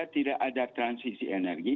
tidak ada transisi energi